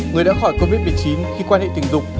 người đã khỏi covid một mươi chín khi quan hệ tình dục